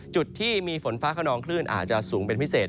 จุดที่มีฝนฟ้าขนองคลื่นอาจจะสูงเป็นพิเศษ